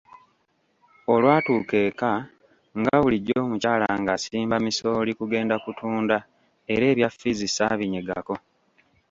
Olwatuuka eka nga bulijjo mukyala ng'ansimba misooli kugenda kutunda era ebya ffiizi ssaabinyegako.